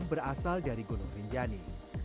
berasal dari gunung rinjani